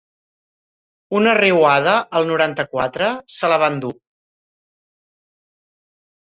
Una riuada al noranta-quatre se la va endur.